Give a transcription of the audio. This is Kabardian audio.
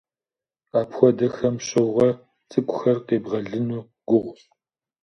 Апхуэдэхэм щыгъуэ цӀыкӀухэр къебгъэлыну гугъущ.